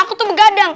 aku tuh bergadang